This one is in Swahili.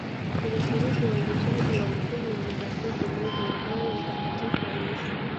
Alishiriki uanzishwaji wa utume wa marafiki mwezi wa moyo mtakatifu wa Yesu